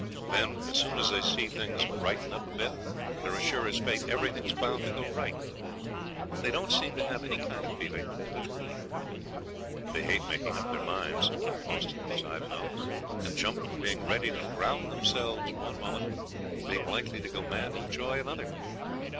Then, as soon as they see things brighten up a bit, they're as sure as fate everything's bound to go right. They don't seem to have any kind of feeling between. They hate making up their minds, most of 'em as I've known, and jump from being ready to drown themselves one moment to being likely to go mad with joy another.